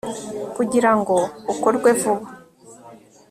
kugira ngo ukorwe vuba